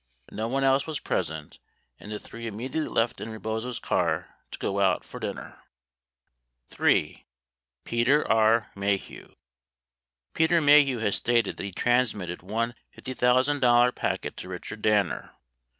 No one else was present and the three immediately left in Rebozo's car to go out for dinner. 63 3. PETER R. MAHEU Peter Maheu has stated that he transmitted one $50,000 packet to Richard Danner.